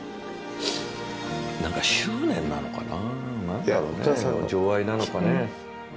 執念なのかな何だろうね情愛なのかね。